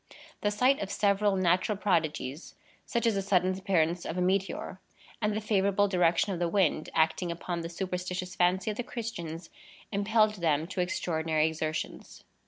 The sight of several natural prodigies, such as the sudden appearance of a meteor, and the favorable direction of the wind, acting upon the superstitious fancy of the Christians, impelled them to extraordinary exertions.